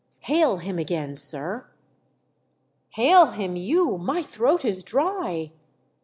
" Hail him again, sir!" " Hail him you, my throat is dry."